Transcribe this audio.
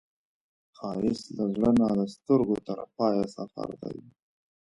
ښایست له زړه نه د سترګو تر پایه سفر دی